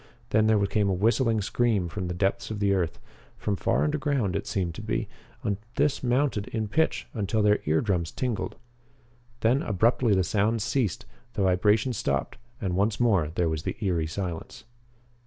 Then there came a whistling scream from the depths of the earth from far underground it seemed to be and this mounted in pitch until their eardrums tingled. Then abruptly the sounds ceased, the vibration stopped, and once more there was the eery silence.